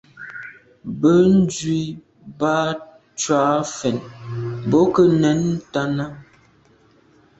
Bènzwi bat tshùa mfèn bo nke nèn ntàne.